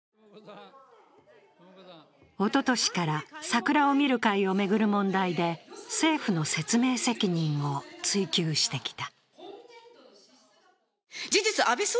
おととしから桜を見る会を巡る問題で政府の説明責任を追及してきた。